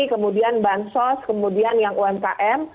kemudian bansos kemudian yang umkm